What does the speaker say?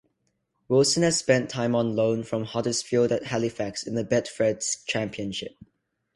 Wilson has spent time on loan from Huddersfield at Halifax in the Betfred Championship.